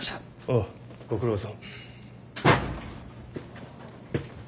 ああご苦労さん。